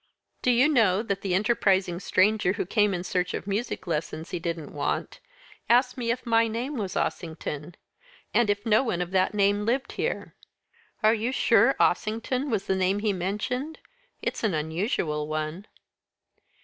Do you know that that enterprising stranger, who came in search of music lessons he didn't want, asked me if my name was Ossington, and if no one of that name lived here." "Are you sure Ossington was the name he mentioned? It's an unusual one."